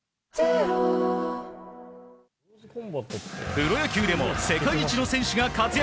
プロ野球でも世界一の選手が活躍。